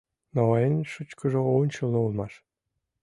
Но эн шучкыжо ончылно улмаш.